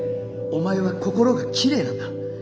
お前は心がきれいなんだ。